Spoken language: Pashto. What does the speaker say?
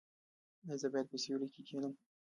ایا زه باید په سیوري کې کینم؟